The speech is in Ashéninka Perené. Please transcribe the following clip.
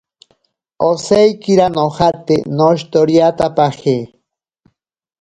Osaikira nojate noshitoriatapaje.